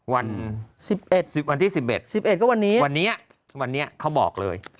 วัน๑๑วันที่๑๑๑ก็วันนี้วันนี้เขาบอกเลย